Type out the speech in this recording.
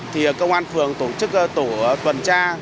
thì công an phường tổ chức tổ tuần tra